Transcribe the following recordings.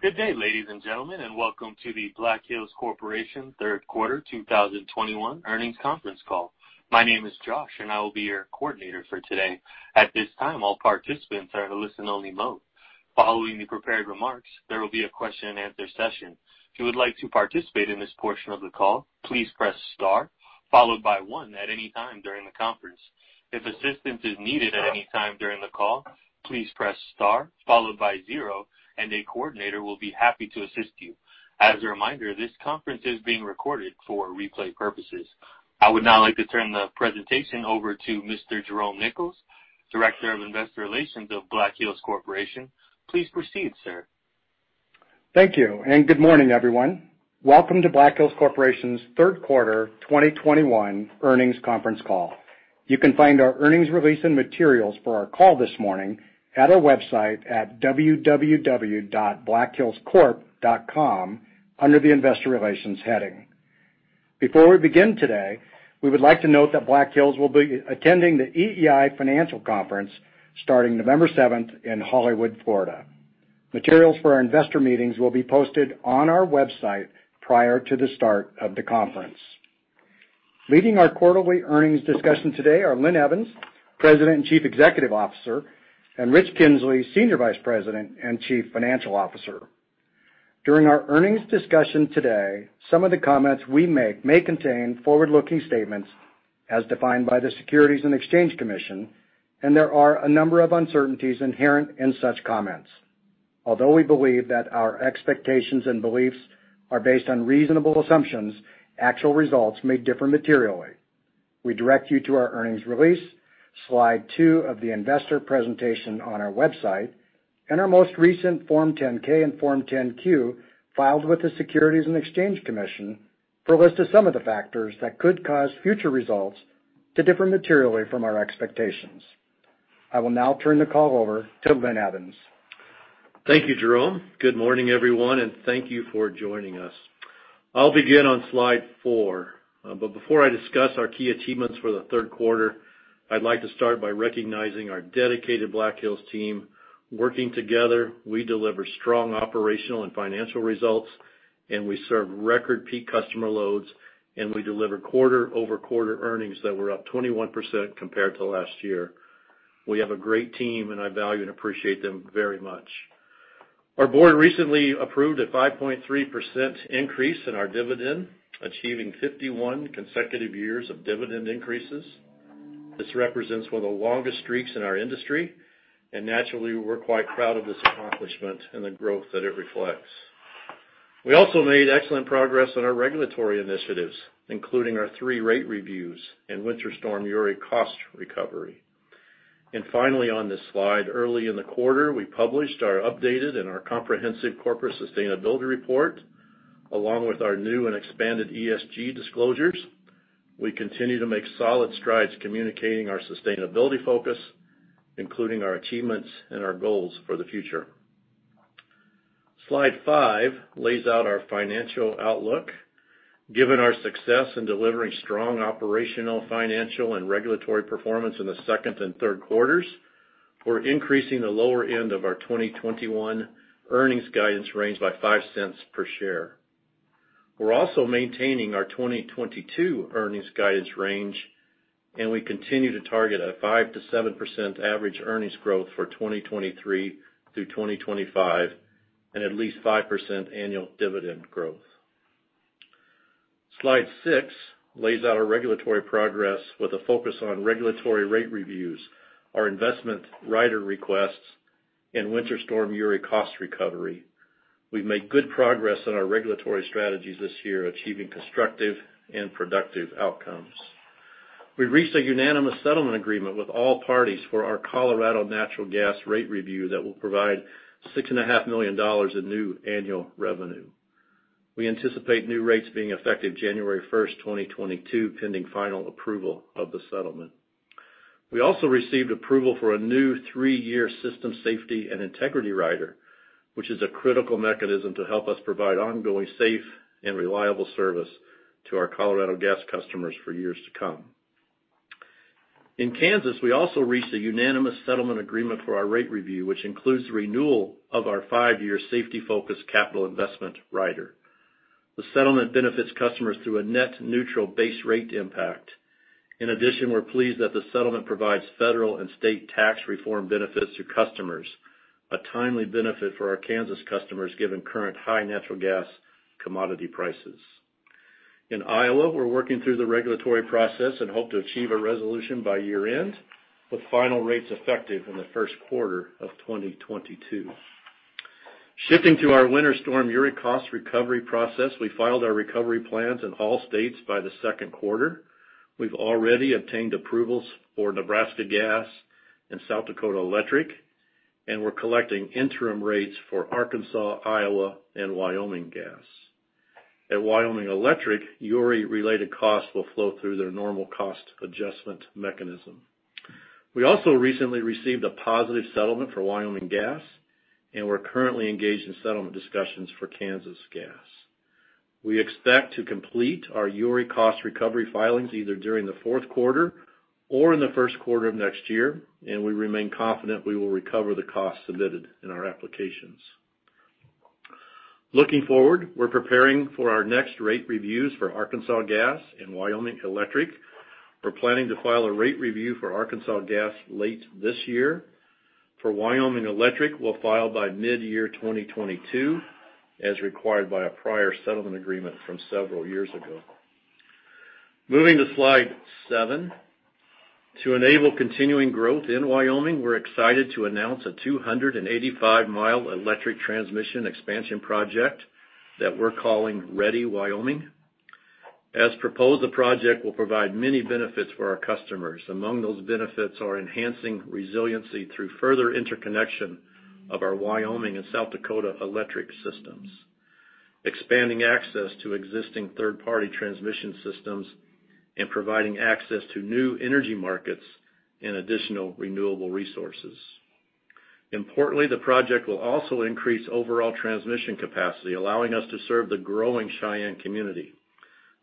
Good day, ladies and gentlemen, and welcome to the Black Hills Corporation third quarter 2021 earnings conference call. My name is Josh, and I will be your coordinator for today. At this time, all participants are in a listen-only mode. Following the prepared remarks, there will be a question and answer session. If you would like to participate in this portion of the call, please press star followed by one at any time during the conference. If assistance is needed at any time during the call, please press star followed by zero, and a coordinator will be happy to assist you. As a reminder, this conference is being recorded for replay purposes. I would now like to turn the presentation over to Mr. Jerome Nichols, Director of Investor Relations of Black Hills Corporation. Please proceed, sir. Thank you, and good morning, everyone. Welcome to Black Hills Corporation's third quarter 2021 earnings conference call. You can find our earnings release and materials for our call this morning at our website at www.blackhillscorp.com under the Investor Relations heading. Before we begin today, we would like to note that Black Hills will be attending the EEI Financial Conference starting November 7th in Hollywood, Florida. Materials for our investor meetings will be posted on our website prior to the start of the conference. Leading our quarterly earnings discussion today are Linn Evans, President and Chief Executive Officer, and Rich Kinzley, Senior Vice President and Chief Financial Officer. During our earnings discussion today, some of the comments we make may contain forward-looking statements as defined by the Securities and Exchange Commission, and there are a number of uncertainties inherent in such comments. Although we believe that our expectations and beliefs are based on reasonable assumptions, actual results may differ materially. We direct you to our earnings release, slide two of the investor presentation on our website, and our most recent Form 10-K and Form 10-Q filed with the Securities and Exchange Commission for a list of some of the factors that could cause future results to differ materially from our expectations. I will now turn the call over to Linn Evans. Thank you, Jerome. Good morning, everyone, and thank you for joining us. I'll begin on slide four. Before I discuss our key achievements for the third quarter, I'd like to start by recognizing our dedicated Black Hills team. Working together, we deliver strong operational and financial results, and we serve record peak customer loads, and we deliver quarter-over-quarter earnings that were up 21% compared to last year. We have a great team, and I value and appreciate them very much. Our board recently approved a 5.3% increase in our dividend, achieving 51 consecutive years of dividend increases. This represents one of the longest streaks in our industry, and naturally, we're quite proud of this accomplishment and the growth that it reflects. We also made excellent progress on our regulatory initiatives, including our three rate reviews and Winter Storm Uri cost recovery. Finally, on this slide, early in the quarter, we published our updated and our comprehensive corporate sustainability report, along with our new and expanded ESG disclosures. We continue to make solid strides communicating our sustainability focus, including our achievements and our goals for the future. Slide five lays out our financial outlook. Given our success in delivering strong operational, financial, and regulatory performance in the second and third quarters, we're increasing the lower end of our 2021 earnings guidance range by $0.05 per share. We're also maintaining our 2022 earnings guidance range, and we continue to target a 5%-7% average earnings growth for 2023 through 2025, and at least 5% annual dividend growth. Slide six lays out our regulatory progress with a focus on regulatory rate reviews, our investment rider requests, and Winter Storm Uri cost recovery. We've made good progress on our regulatory strategies this year, achieving constructive and productive outcomes. We've reached a unanimous settlement agreement with all parties for our Colorado natural gas rate review that will provide $6.5 million in new annual revenue. We anticipate new rates being effective January 1st, 2022, pending final approval of the settlement. We also received approval for a new three year system safety and integrity rider, which is a critical mechanism to help us provide ongoing, safe, and reliable service to our Colorado gas customers for years to come. In Kansas, we also reached a unanimous settlement agreement for our rate review, which includes renewal of our five year safety-focused capital investment rider. The settlement benefits customers through a net neutral base rate impact. In addition, we're pleased that the settlement provides federal and state tax reform benefits to customers, a timely benefit for our Kansas customers, given current high natural gas commodity prices. In Iowa, we're working through the regulatory process and hope to achieve a resolution by year-end, with final rates effective in the first quarter of 2022. Shifting to our Winter Storm Uri cost recovery process, we filed our recovery plans in all states by the second quarter. We've already obtained approvals for Nebraska Gas and South Dakota Electric, and we're collecting interim rates for Arkansas, Iowa, and Wyoming Gas. At Wyoming Electric, Uri-related costs will flow through their normal cost adjustment mechanism. We also recently received a positive settlement for Wyoming Gas, and we're currently engaged in settlement discussions for Kansas Gas. We expect to complete our Uri cost recovery filings either during the fourth quarter or in the first quarter of next year, and we remain confident we will recover the costs submitted in our applications. Looking forward, we're preparing for our next rate reviews for Arkansas Gas and Wyoming Electric. We're planning to file a rate review for Arkansas Gas late this year. For Wyoming Electric, we'll file by mid-year 2022 as required by a prior settlement agreement from several years ago. Moving to slide seven. To enable continuing growth in Wyoming, we're excited to announce a 285-mile electric transmission expansion project that we're calling Ready Wyoming. As proposed, the project will provide many benefits for our customers. Among those benefits are enhancing resiliency through further interconnection of our Wyoming and South Dakota electric systems, expanding access to existing third-party transmission systems, and providing access to new energy markets and additional renewable resources. Importantly, the project will also increase overall transmission capacity, allowing us to serve the growing Cheyenne community.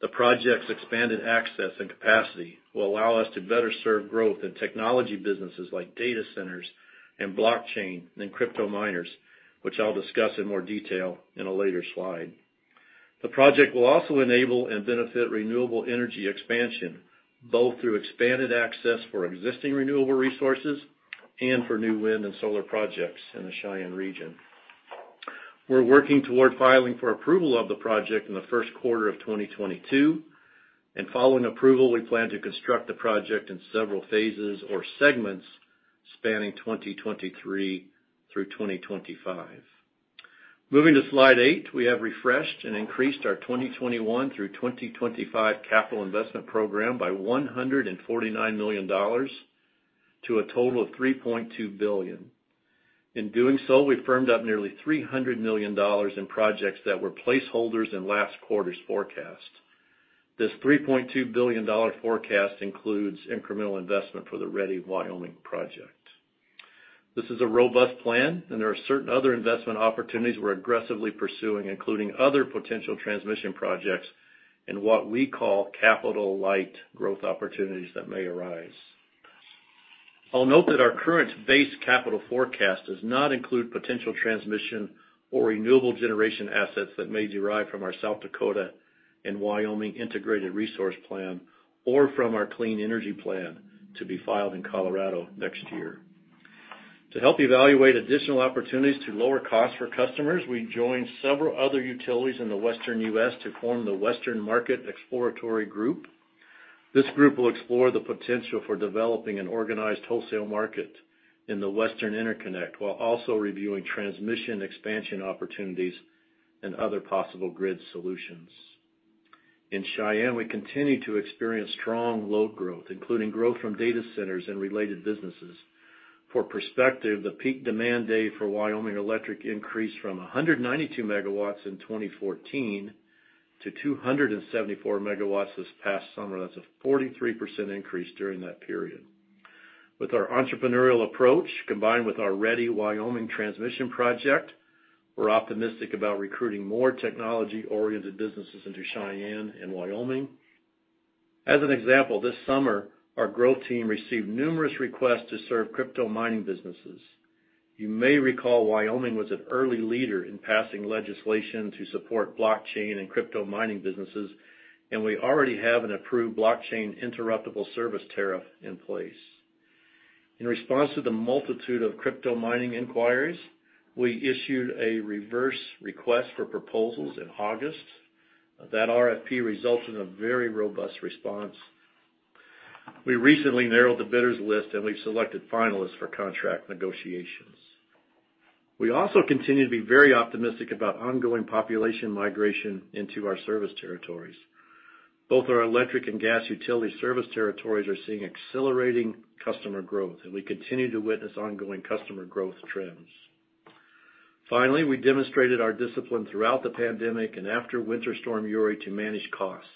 The project's expanded access and capacity will allow us to better serve growth in technology businesses like data centers and blockchain, and crypto miners, which I'll discuss in more detail in a later slide. The project will also enable and benefit renewable energy expansion, both through expanded access for existing renewable resources and for new wind and solar projects in the Cheyenne region. We're working toward filing for approval of the project in the first quarter of 2022, and following approval, we plan to construct the project in several phases or segments spanning 2023 through 2025. Moving to slide eight. We have refreshed and increased our 2021 through 2025 capital investment program by $149 million to a total of $3.2 billion. In doing so, we firmed up nearly $300 million in projects that were placeholders in last quarter's forecast. This $3.2 billion forecast includes incremental investment for the Ready Wyoming project. This is a robust plan, and there are certain other investment opportunities we're aggressively pursuing, including other potential transmission projects in what we call capital-light growth opportunities that may arise. I'll note that our current base capital forecast does not include potential transmission or renewable generation assets that may derive from our South Dakota and Wyoming integrated resource plan or from our clean energy plan to be filed in Colorado next year. To help evaluate additional opportunities to lower costs for customers, we joined several other utilities in the western U.S. to form the Western Market Exploratory Group. This group will explore the potential for developing an organized wholesale market in the Western Interconnect, while also reviewing transmission expansion opportunities and other possible grid solutions. In Cheyenne, we continue to experience strong load growth, including growth from data centers and related businesses. For perspective, the peak demand day for Wyoming Electric increased from 192 MW in 2014 to 274 MW this past summer. That's a 43% increase during that period. With our entrepreneurial approach, combined with our Ready Wyoming transmission project, we're optimistic about recruiting more technology-oriented businesses into Cheyenne and Wyoming. As an example, this summer, our growth team received numerous requests to serve crypto mining businesses. You may recall Wyoming was an early leader in passing legislation to support blockchain and crypto mining businesses, and we already have an approved blockchain interruptible service tariff in place. In response to the multitude of crypto mining inquiries, we issued a reverse request for proposals in August. That RFP resulted in a very robust response. We recently narrowed the bidders list, and we've selected finalists for contract negotiations. We also continue to be very optimistic about ongoing population migration into our service territories. Both our electric and gas utility service territories are seeing accelerating customer growth, and we continue to witness ongoing customer growth trends. Finally, we demonstrated our discipline throughout the pandemic and after Winter Storm Uri to manage costs,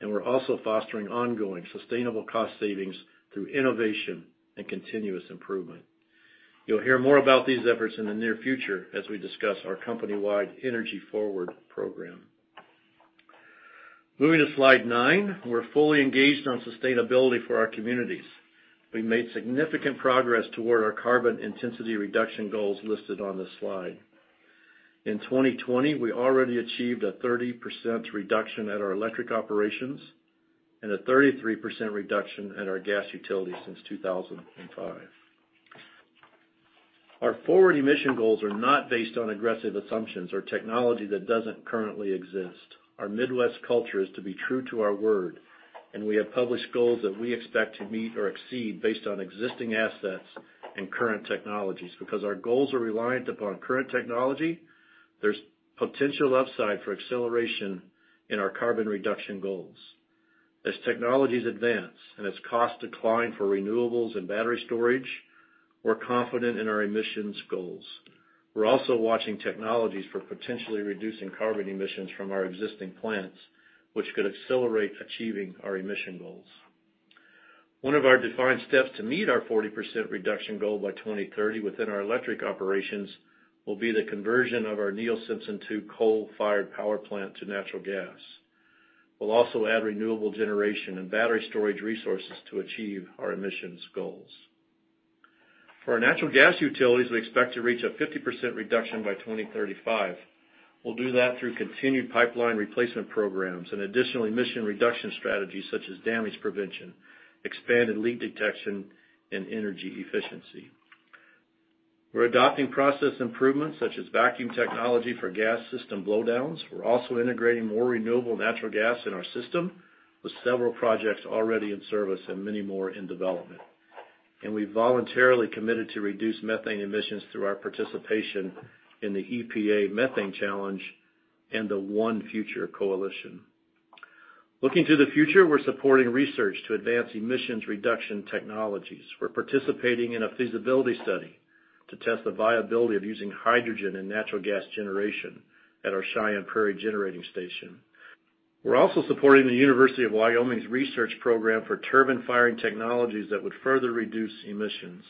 and we're also fostering ongoing sustainable cost savings through innovation and continuous improvement. You'll hear more about these efforts in the near future as we discuss our company-wide Energy Forward program. Moving to slide nine. We're fully engaged on sustainability for our communities. We made significant progress toward our carbon intensity reduction goals listed on this slide. In 2020, we already achieved a 30% reduction at our electric operations and a 33% reduction at our gas utility since 2005. Our forward emission goals are not based on aggressive assumptions or technology that doesn't currently exist. Our Midwest culture is to be true to our word, and we have published goals that we expect to meet or exceed based on existing assets and current technologies. Because our goals are reliant upon current technology, there's potential upside for acceleration in our carbon reduction goals. As technologies advance and as costs decline for renewables and battery storage, we're confident in our emissions goals. We're also watching technologies for potentially reducing carbon emissions from our existing plants, which could accelerate achieving our emission goals. One of our defined steps to meet our 40% reduction goal by 2030 within our electric operations will be the conversion of our Neil Simpson II coal-fired power plant to natural gas. We'll also add renewable generation and battery storage resources to achieve our emissions goals. For our natural gas utilities, we expect to reach a 50% reduction by 2035. We'll do that through continued pipeline replacement programs and additional emission reduction strategies such as damage prevention, expanded leak detection, and energy efficiency. We're adopting process improvements such as vacuum technology for gas system blowdowns. We're also integrating more renewable natural gas in our system, with several projects already in service and many more in development. We've voluntarily committed to reduce methane emissions through our participation in the EPA Methane Challenge and the ONE Future Coalition. Looking to the future, we're supporting research to advance emissions reduction technologies. We're participating in a feasibility study to test the viability of using hydrogen and natural gas generation at our Cheyenne Prairie Generating Station. We're also supporting the University of Wyoming's research program for turbine firing technologies that would further reduce emissions.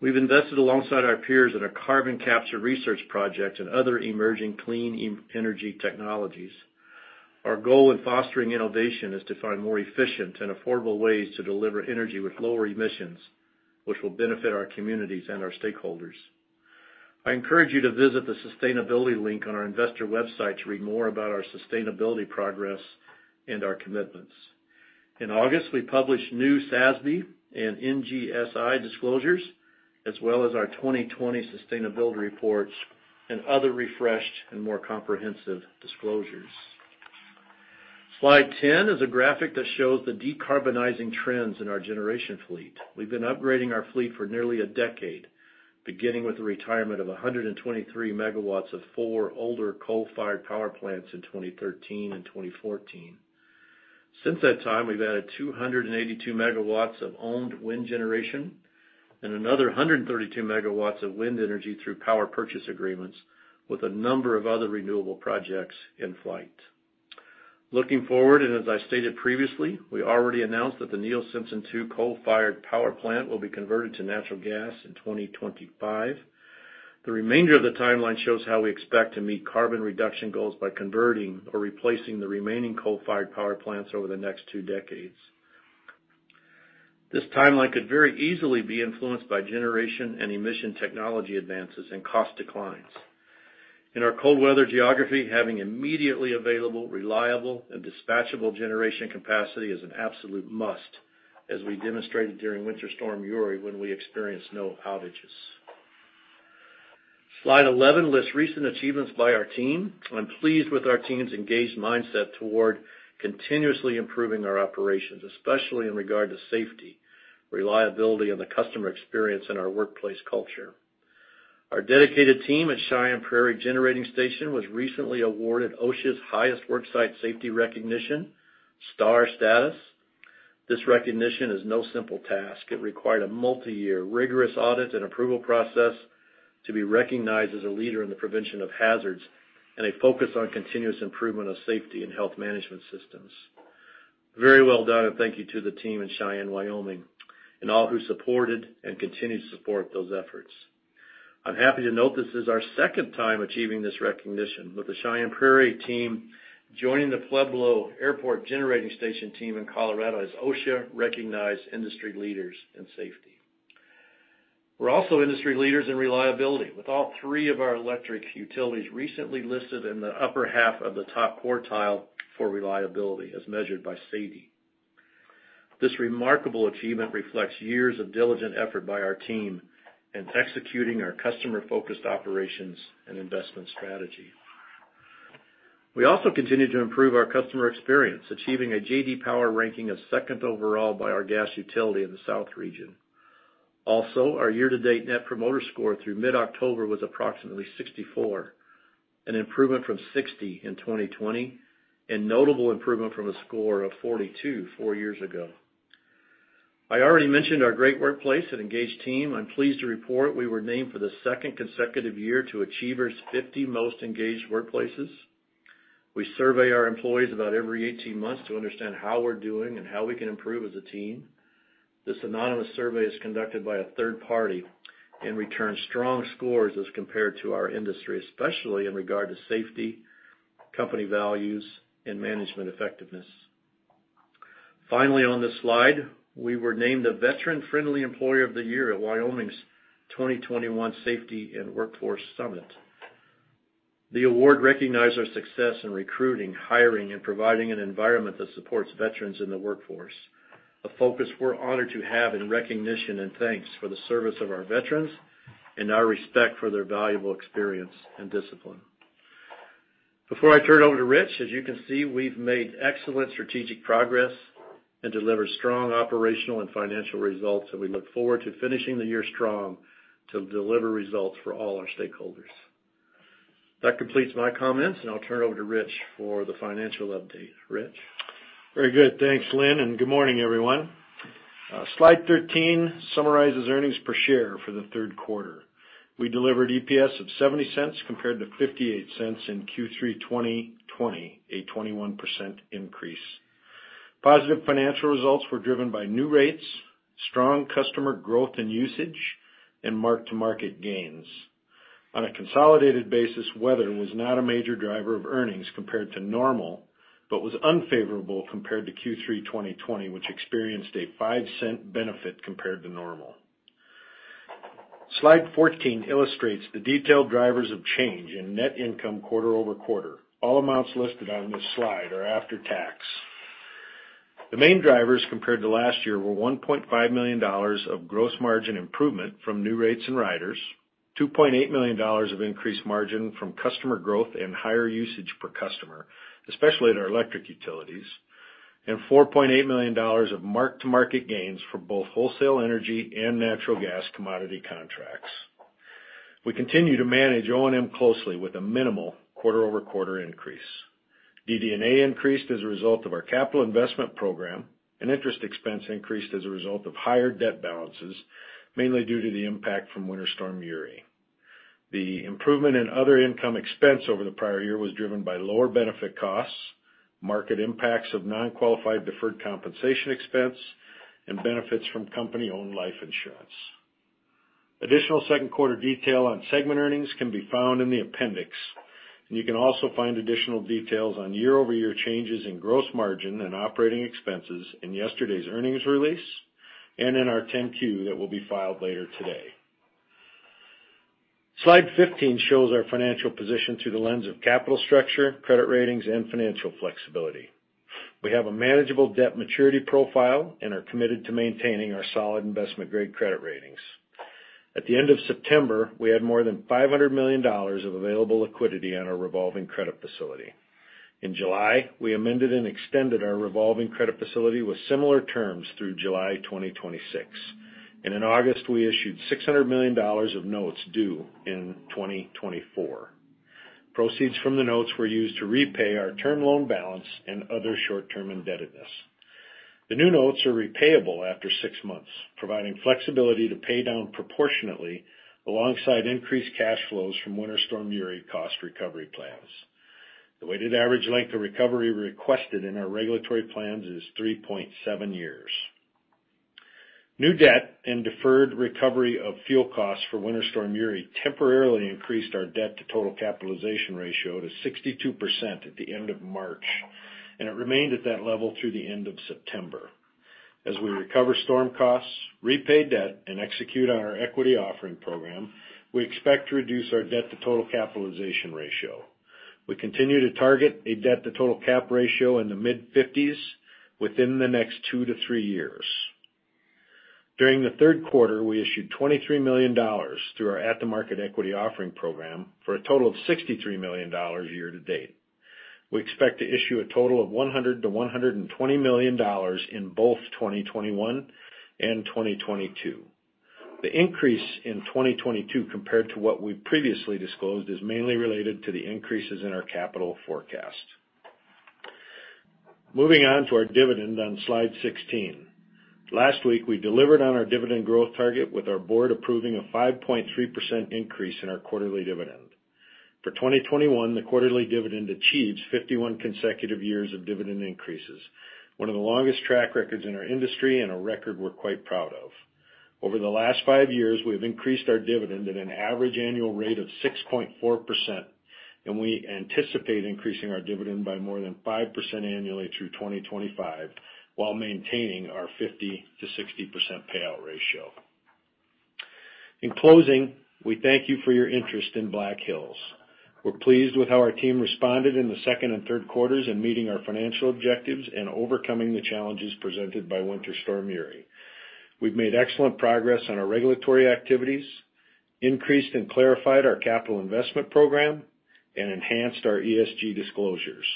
We've invested alongside our peers in a carbon capture research project and other emerging clean energy technologies. Our goal in fostering innovation is to find more efficient and affordable ways to deliver energy with lower emissions, which will benefit our communities and our stakeholders. I encourage you to visit the sustainability link on our investor website to read more about our sustainability progress and our commitments. In August, we published new SASB and NGSI disclosures, as well as our 2020 sustainability reports and other refreshed and more comprehensive disclosures. Slide 10 is a graphic that shows the decarbonizing trends in our generation fleet. We've been upgrading our fleet for nearly a decade, beginning with the retirement of 123 MW of four older coal-fired power plants in 2013 and 2014. Since that time, we've added 282 MW of owned wind generation and another 132 MW of wind energy through power purchase agreements with a number of other renewable projects in flight. Looking forward, as I stated previously, we already announced that the Neil Simpson II coal-fired power plant will be converted to natural gas in 2025. The remainder of the timeline shows how we expect to meet carbon reduction goals by converting or replacing the remaining coal-fired power plants over the next two decades. This timeline could very easily be influenced by generation and emission technology advances and cost declines. In our cold weather geography, having immediately available, reliable, and dispatchable generation capacity is an absolute must, as we demonstrated during Winter Storm Uri when we experienced no outages. Slide 11 lists recent achievements by our team. I'm pleased with our team's engaged mindset toward continuously improving our operations, especially in regard to safety, reliability, and the customer experience in our workplace culture. Our dedicated team at Cheyenne Prairie Generating Station was recently awarded OSHA's highest worksite safety recognition, Star status. This recognition is no simple task. It required a multi-year rigorous audit and approval process to be recognized as a leader in the prevention of hazards and a focus on continuous improvement of safety and health management systems. Very well done, and thank you to the team in Cheyenne, Wyoming, and all who supported and continue to support those efforts. I'm happy to note this is our second time achieving this recognition, with the Cheyenne Prairie team joining the Pueblo Airport Generating Station team in Colorado as OSHA recognized industry leaders in safety. We're also industry leaders in reliability, with all three of our electric utilities recently listed in the upper half of the top quartile for reliability as measured by SAIDI. This remarkable achievement reflects years of diligent effort by our team in executing our customer-focused operations and investment strategy. We also continue to improve our customer experience, achieving a J.D. Power ranking of second overall by our gas utility in the South region. Also, our year-to-date net promoter score through mid-October was approximately 64, an improvement from 60 in 2020, and notable improvement from a score of 42 four years ago. I already mentioned our great workplace and engaged team. I'm pleased to report we were named for the second consecutive year to Achievers 50 Most Engaged Workplaces. We survey our employees about every 18 months to understand how we're doing and how we can improve as a team. This anonymous survey is conducted by a third party and returns strong scores as compared to our industry, especially in regard to safety, company values, and management effectiveness. Finally, on this slide, we were named a Veteran Friendly Employer of the Year at Wyoming's 2021 Safety and Workforce Summit. The award recognized our success in recruiting, hiring, and providing an environment that supports veterans in the workforce, a focus we're honored to have in recognition and thanks for the service of our veterans and our respect for their valuable experience and discipline. Before I turn it over to Rich, as you can see, we've made excellent strategic progress and delivered strong operational and financial results, and we look forward to finishing the year strong to deliver results for all our stakeholders. That completes my comments, and I'll turn it over to Rich for the financial update. Rich? Very good. Thanks, Linn, and good morning, everyone. Slide 13 summarizes earnings per share for the third quarter. We delivered EPS of $0.70 compared to $0.58 in Q3 2020, a 21% increase. Positive financial results were driven by new rates, strong customer growth and usage, and mark-to-market gains. On a consolidated basis, weather was not a major driver of earnings compared to normal, but was unfavorable compared to Q3 2020, which experienced a $0.05 benefit compared to normal. Slide 14 illustrates the detailed drivers of change in net income quarter-over-quarter. All amounts listed on this slide are after tax. The main drivers compared to last year were $1.5 million of gross margin improvement from new rates and riders, $2.8 million of increased margin from customer growth and higher usage per customer, especially at our electric utilities, and $4.8 million of mark-to-market gains for both wholesale energy and natural gas commodity contracts. We continue to manage O&M closely with a minimal quarter-over-quarter increase. DD&A increased as a result of our capital investment program, and interest expense increased as a result of higher debt balances, mainly due to the impact from Winter Storm Uri. The improvement in other income expense over the prior year was driven by lower benefit costs, market impacts of non-qualified deferred compensation expense, and benefits from company-owned life insurance. Additional second quarter detail on segment earnings can be found in the appendix. You can also find additional details on year-over-year changes in gross margin and operating expenses in yesterday's earnings release and in our 10-Q that will be filed later today. Slide 15 shows our financial position through the lens of capital structure, credit ratings, and financial flexibility. We have a manageable debt maturity profile and are committed to maintaining our solid investment-grade credit ratings. At the end of September, we had more than $500 million of available liquidity on our revolving credit facility. In July, we amended and extended our revolving credit facility with similar terms through July 2026. In August, we issued $600 million of notes due in 2024. Proceeds from the notes were used to repay our term loan balance and other short-term indebtedness. The new notes are repayable after six months, providing flexibility to pay down proportionately alongside increased cash flows from Winter Storm Uri cost recovery plans. The weighted average length of recovery requested in our regulatory plans is 3.7 years. New debt and deferred recovery of fuel costs for Winter Storm Uri temporarily increased our debt-to-total capitalization ratio to 62% at the end of March, and it remained at that level through the end of September. As we recover storm costs, repay debt, and execute on our equity offering program, we expect to reduce our debt-to-total capitalization ratio. We continue to target a debt-to-total cap ratio in the mid-50s within the next two to three years. During the third quarter, we issued $23 million through our at-the-market equity offering program for a total of $63 million year to date. We expect to issue a total of $100 million-$120 million in both 2021 and 2022. The increase in 2022 compared to what we previously disclosed is mainly related to the increases in our capital forecast. Moving on to our dividend on slide 16. Last week, we delivered on our dividend growth target with our board approving a 5.3% increase in our quarterly dividend. For 2021, the quarterly dividend achieves 51 consecutive years of dividend increases, one of the longest track records in our industry and a record we're quite proud of. Over the last five years, we have increased our dividend at an average annual rate of 6.4%, and we anticipate increasing our dividend by more than 5% annually through 2025 while maintaining our 50%-60% payout ratio. In closing, we thank you for your interest in Black Hills. We're pleased with how our team responded in the second and third quarters in meeting our financial objectives and overcoming the challenges presented by Winter Storm Uri. We've made excellent progress on our regulatory activities, increased and clarified our capital investment program, and enhanced our ESG disclosures.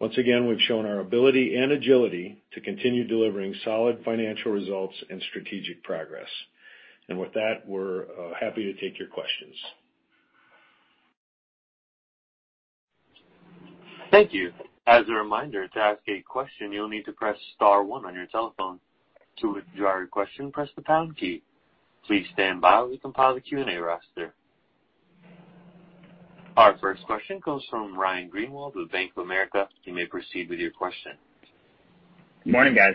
Once again, we've shown our ability and agility to continue delivering solid financial results and strategic progress. With that, we're happy to take your questions. Thank you. As a reminder, to ask a question, you'll need to press star one on your telephone. To withdraw your question, press the pound key. Please stand by while we compile the Q&A roster. Our first question comes from Ryan Greenwald with Bank of America. You may proceed with your question. Morning, guys.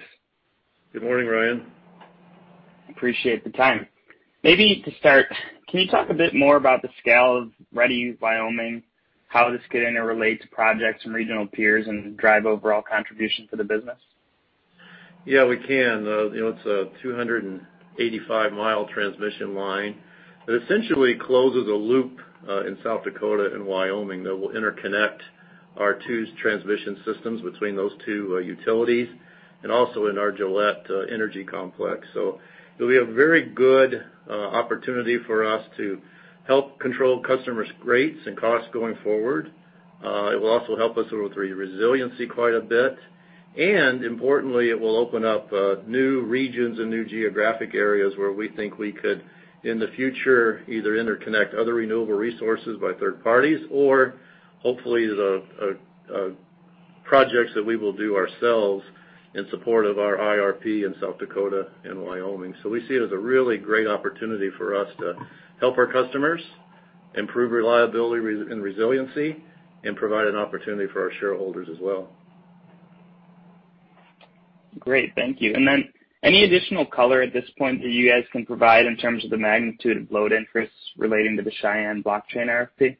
Good morning, Ryan. appreciate the time. Maybe to start, can you talk a bit more about the scale of Ready Wyoming, how this could interrelate to projects from regional peers and drive overall contribution for the business? Yeah, we can. You know, it's a 285-mile transmission line that essentially closes a loop in South Dakota and Wyoming that will interconnect our two transmission systems between those two utilities and also in our Gillette Energy Complex. It'll be a very good opportunity for us to help control customers' rates and costs going forward. It will also help us with resiliency quite a bit. Importantly, it will open up new regions and new geographic areas where we think we could, in the future, either interconnect other renewable resources by third parties or hopefully the Projects that we will do ourselves in support of our IRP in South Dakota and Wyoming. We see it as a really great opportunity for us to help our customers improve reliability and resiliency and provide an opportunity for our shareholders as well. Great. Thank you. Any additional color at this point that you guys can provide in terms of the magnitude of load interest relating to the Cheyenne blockchain RFP?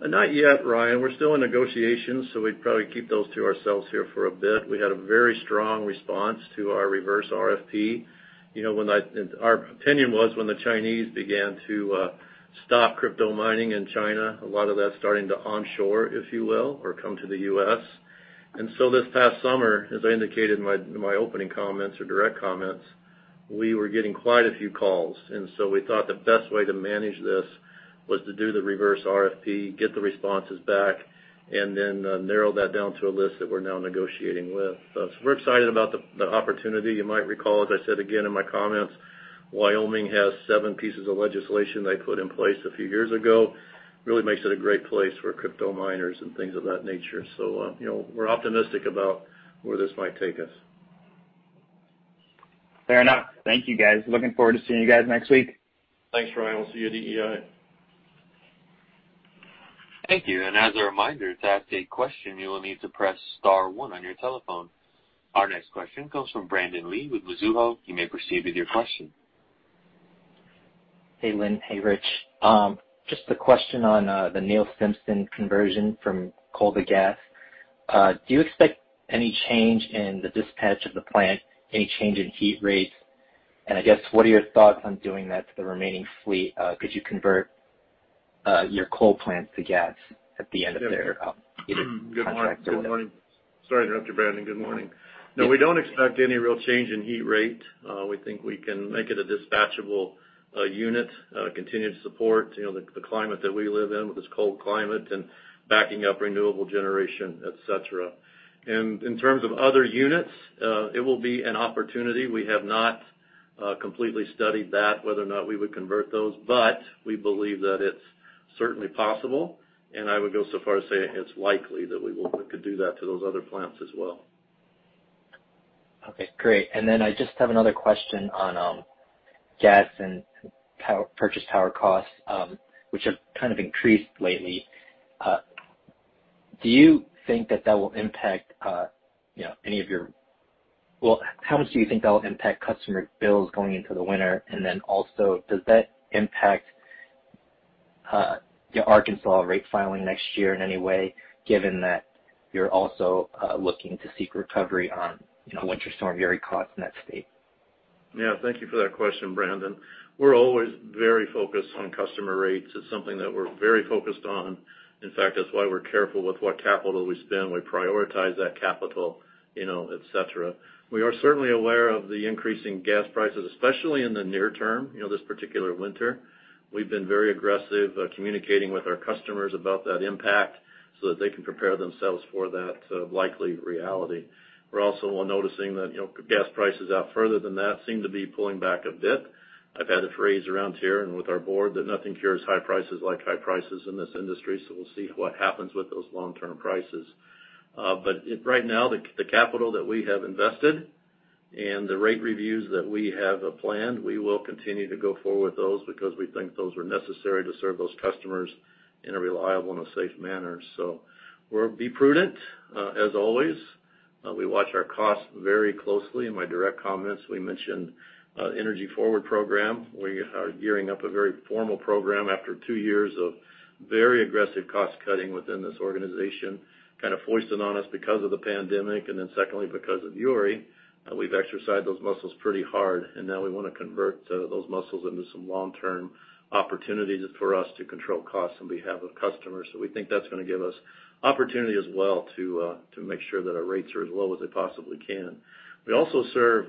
Not yet, Ryan. We're still in negotiations, so we'd probably keep those to ourselves here for a bit. We had a very strong response to our reverse RFP. You know, our opinion was when the Chinese began to stop crypto mining in China, a lot of that's starting to onshore, if you will, or come to the U.S. This past summer, as I indicated in my opening comments or direct comments, we were getting quite a few calls. We thought the best way to manage this was to do the reverse RFP, get the responses back, and then narrow that down to a list that we're now negotiating with. We're excited about the opportunity. You might recall, as I said again in my comments, Wyoming has seven pieces of legislation they put in place a few years ago. Really makes it a great place for crypto miners and things of that nature. You know, we're optimistic about where this might take us. Fair enough. Thank you, guys. Looking forward to seeing you guys next week. Thanks, Ryan. We'll see you at EEI. Thank you. As a reminder, to ask a question, you will need to press star one on your telephone. Our next question comes from Brandon Lee with Mizuho. You may proceed with your question. Hey, Linn. Hey, Rich. Just a question on the Neil Simpson II conversion from coal to gas. Do you expect any change in the dispatch of the plant, any change in heat rates? I guess, what are your thoughts on doing that to the remaining fleet? Could you convert your coal plants to gas at the end of their- Good morning. Sorry to interrupt you, Brandon. Good morning. No, we don't expect any real change in heat rate. We think we can make it a dispatchable unit, continue to support, you know, the climate that we live in with this cold climate and backing up renewable generation, et cetera. In terms of other units, it will be an opportunity. We have not completely studied that, whether or not we would convert those, but we believe that it's certainly possible, and I would go so far as to say it's likely that we could do that to those other plants as well. Okay, great. I just have another question on gas and power purchased power costs, which have kind of increased lately. Do you think that will impact, you know, Well, how much do you think that will impact customer bills going into the winter? Does that impact your Arkansas rate filing next year in any way, given that you're also looking to seek recovery on, you know, Winter Storm Uri costs in that state? Yeah. Thank you for that question, Brandon. We're always very focused on customer rates. It's something that we're very focused on. In fact, that's why we're careful with what capital we spend. We prioritize that capital, you know, et cetera. We are certainly aware of the increasing gas prices, especially in the near term, you know, this particular winter. We've been very aggressive, communicating with our customers about that impact so that they can prepare themselves for that, likely reality. We're also noticing that, you know, gas prices out further than that seem to be pulling back a bit. I've had a phrase around here and with our board that nothing cures high prices like high prices in this industry, so we'll see what happens with those long-term prices. Right now, the capital that we have invested and the rate reviews that we have planned, we will continue to go forward with those because we think those are necessary to serve those customers in a reliable and a safe manner. We'll be prudent. As always, we watch our costs very closely. In my direct comments, we mentioned Energy Forward program. We are gearing up a very formal program after two years of very aggressive cost cutting within this organization, kind of foisted on us because of the pandemic and then secondly because of Uri. We've exercised those muscles pretty hard, and now we wanna convert those muscles into some long-term opportunities for us to control costs on behalf of customers. We think that's gonna give us opportunity as well to make sure that our rates are as low as they possibly can. We also serve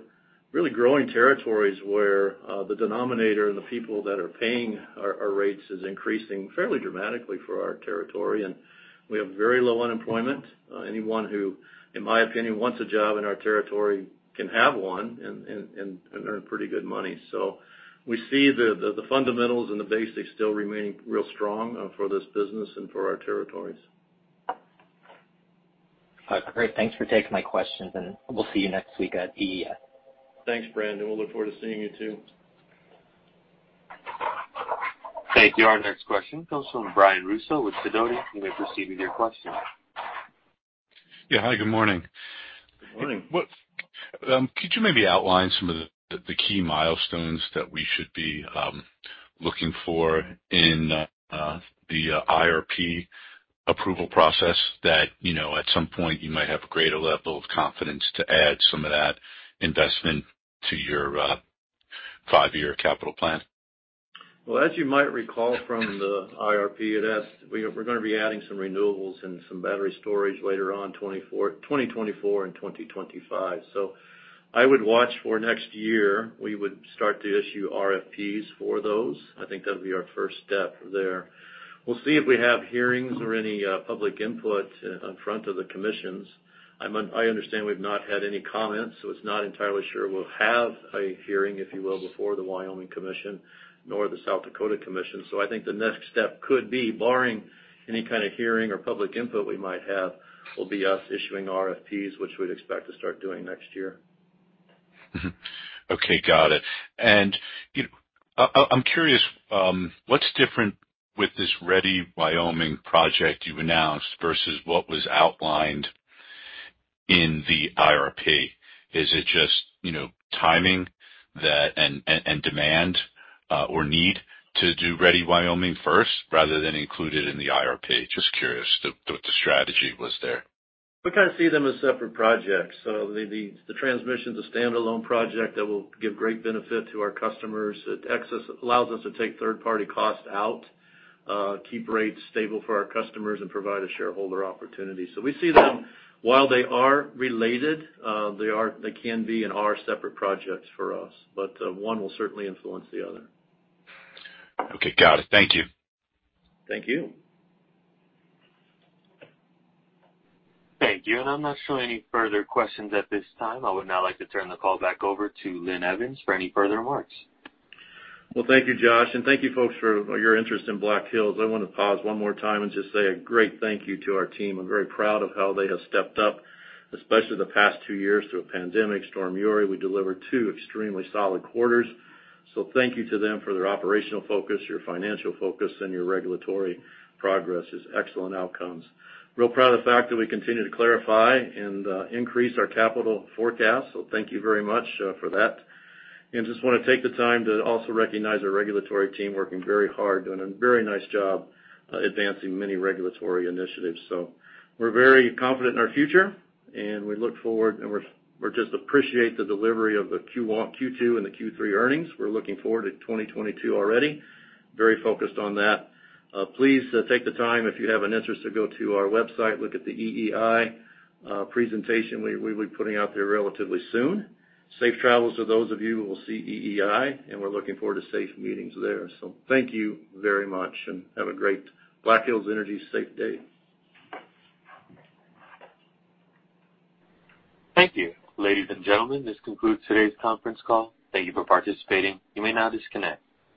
really growing territories where the denominator and the people that are paying our rates is increasing fairly dramatically for our territory, and we have very low unemployment. Anyone who, in my opinion, wants a job in our territory can have one and earn pretty good money. We see the fundamentals and the basics still remaining real strong for this business and for our territories. All right, great. Thanks for taking my questions, and we'll see you next week at EEI. Thanks, Brandon. We'll look forward to seeing you too. Thank you. Our next question comes from Brian Russo with Sidoti. You may proceed with your question. Yeah, hi, good morning. Good morning. What could you maybe outline some of the key milestones that we should be looking for in the IRP approval process that, you know, at some point you might have a greater level of confidence to add some of that investment to your five year capital plan? Well, as you might recall from the IRP, we're gonna be adding some renewables and some battery storage later on 2024 and 2025. I would watch for next year, we would start to issue RFPs for those. I think that'll be our first step there. We'll see if we have hearings or any public input in front of the commissions. I understand we've not had any comments, so it's not entirely sure we'll have a hearing, if you will, before the Wyoming Commission nor the South Dakota Commission. I think the next step could be barring any kind of hearing or public input we might have, will be us issuing RFPs, which we'd expect to start doing next year. Okay, got it. I'm curious, what's different with this Ready Wyoming project you've announced versus what was outlined in the IRP? Is it just, you know, timing that and demand, or need to do Ready Wyoming first rather than included in the IRP? Just curious what the strategy was there. We kind of see them as separate projects. The transmission's a standalone project that will give great benefit to our customers. It allows us to take third-party costs out, keep rates stable for our customers, and provide a shareholder opportunity. We see them while they are related, they can be and are separate projects for us, but one will certainly influence the other. Okay, got it. Thank you. Thank you. Thank you. I'm not showing any further questions at this time. I would now like to turn the call back over to Linn Evans for any further remarks. Well, thank you, Josh, and thank you folks for your interest in Black Hills. I wanna pause one more time and just say a great thank you to our team. I'm very proud of how they have stepped up, especially the past two years through a pandemic, Storm Uri. We delivered two extremely solid quarters. Thank you to them for their operational focus, your financial focus, and your regulatory progress is excellent outcomes. Real proud of the fact that we continue to clarify and increase our capital forecast. Thank you very much for that. Just wanna take the time to also recognize our regulatory team working very hard, doing a very nice job advancing many regulatory initiatives. We're very confident in our future, and we look forward, and we just appreciate the delivery of the Q1, Q2, and the Q3 earnings. We're looking forward to 2022 already. Very focused on that. Please take the time if you have an interest to go to our website, look at the EEI presentation we'll be putting out there relatively soon. Safe travels to those of you who will see EEI, and we're looking forward to safe meetings there. Thank you very much and have a great Black Hills Energy safe day. Thank you. Ladies and gentlemen, this concludes today's conference call. Thank you for participating. You may now disconnect.